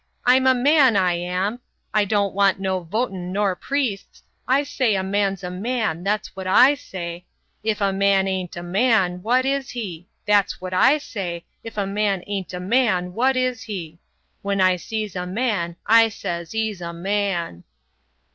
I'm a man, I am. I don't want no votin' nor priests. I say a man's a man; that's what I say. If a man a'n't a man, what is he? That's what I say, if a man a'n't a man, what is he? When I sees a man, I sez 'e's a man."